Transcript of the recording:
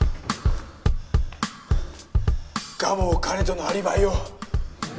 蒲生兼人のアリバイを。